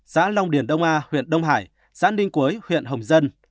xã long điền đông a huyện đông hải xã ninh quế huyện hồng dân